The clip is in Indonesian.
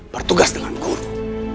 bertugas dengan guru